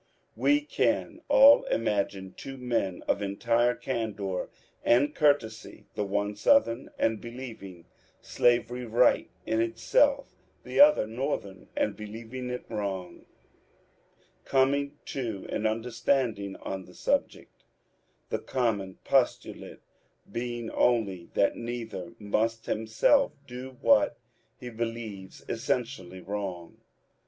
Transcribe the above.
...* We can aU imagine two men of entire candour and courtesy — the one Southern, and believing slavery right in itself, the other Northern, and believing it wrong — coming to an understanding on the subject ; the common postulate being only that neither must himself do what he believes essentially wrong.